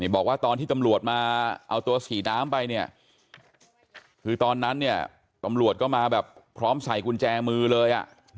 บอกว่าตอนที่ตำรวจมาเอาตัวศรีน้ำไปคือตอนนั้นตำรวจก็มาพร้อมใส่กุญแจมือเลย